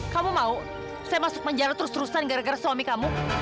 kamu mau saya masuk penjara terus terusan gara gara suami kamu